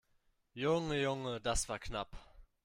Junge, Junge, das war knapp!